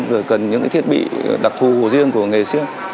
rồi cần những thiết bị đặc thù riêng của nghề siếc